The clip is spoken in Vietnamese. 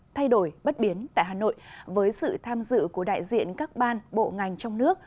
thay đổi bất biến tại hà nội với sự tham dự của đại diện các ban bộ ngành trong nước